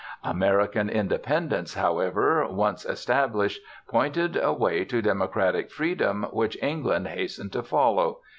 American independence, however, once established, pointed a way to democratic freedom which England hastened to follow.